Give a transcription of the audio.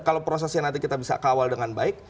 kalau prosesnya nanti kita bisa kawal dengan baik